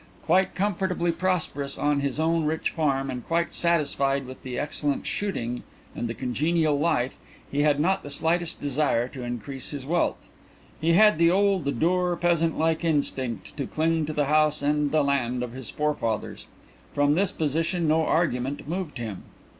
Quite comfortably prosperous on his own rich farm, and quite satisfied with the excellent shooting and the congenial life, he had not the slightest desire to increase his wealth. He had the old dour, peasant like instinct to cling to the house and the land of his forefathers. From this position no argument moved him.